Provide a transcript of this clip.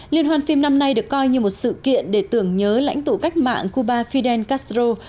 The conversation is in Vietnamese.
liên hoan phim năm nay được coi như một sự kiện để tưởng nhớ lãnh tụ cách mạng cuba fidel castro